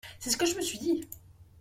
C’est ce que je me suis dit !…